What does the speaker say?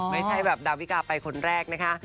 ไม่ใช่แบบดาวิกาไปคนแรกนะคะ